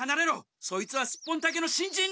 そいつはスッポンタケの新人忍者だ！